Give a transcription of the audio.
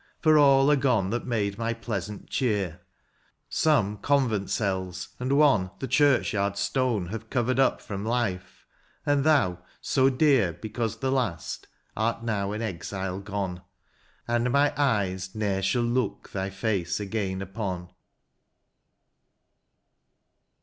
For all are gone that made my pleasant cheer — Some convent cells, and one the churchyard stone Have covered up firom life ; and thou, so dear Because the last, art now an exile gone. And my eyes ne'er shall look thy face again upon."